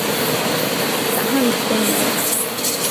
তাহার উত্তর নাই।